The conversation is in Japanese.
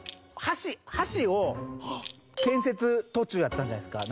橋を建設途中やったんじゃないですか？